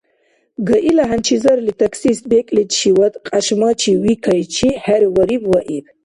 ГАИ-ла хӀянчизарли таксист бекӀличивад кьяшмачи викайчи хӀервариб ва иб.